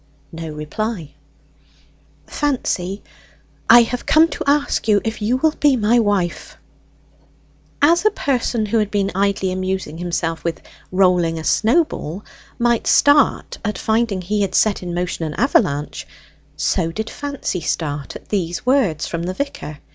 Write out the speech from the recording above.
No reply. "Fancy, I have come to ask you if you will be my wife?" As a person who has been idly amusing himself with rolling a snowball might start at finding he had set in motion an avalanche, so did Fancy start at these words from the vicar.